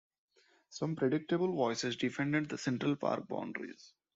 Some predictable voices defended the Central Park boundaries.